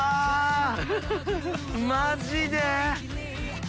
マジで！？